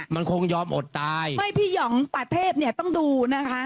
มันคงยอมอดตายไม่พี่หยองป่าเทพเนี่ยต้องดูนะคะ